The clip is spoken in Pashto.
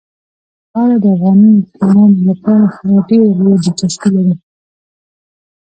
خاوره د افغان ځوانانو لپاره خورا ډېره لویه دلچسپي لري.